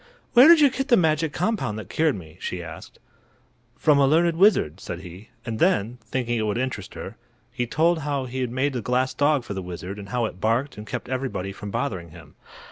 "Where did you get the magic compound that cured me?" she asked. "From a learned wizard," said he; and then, thinking it would interest her, he told how he had made the glass dog for the wizard, and how it barked and kept everybody from bothering him.